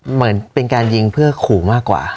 เหมือนเป็นการยิงเพื่อขู่มากกว่า